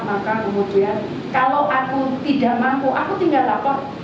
maka kemudian kalau aku tidak mampu aku tinggal lapor